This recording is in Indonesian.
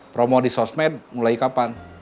promo di sosmed mulai kapan